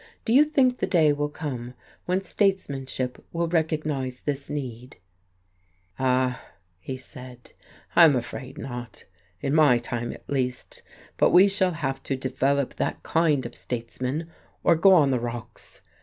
Do you think the day will come when statesmanship will recognize this need?" "Ah," he said, "I'm afraid not in my time, at least. But we shall have to develop that kind of statesmen or go on the rocks.